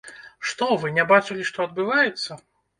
Што вы, не бачылі, што адбываецца?